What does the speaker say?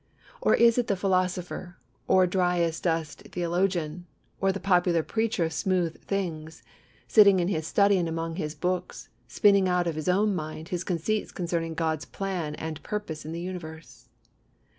Or is it the philosopher, or dry as dust theologian, or the popular preacher of smooth things, sitting in his study and among his books, spinning out of his own mind his conceits concerning God's plan and purpose in the universe?